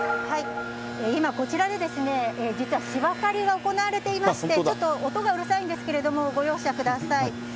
今、こちらで実は芝刈りが行われていまして、ちょっと音がうるさいんですけれども、ご容赦ください。